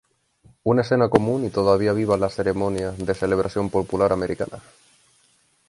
Una escena común y todavía viva en las ceremonias de celebración popular americanas.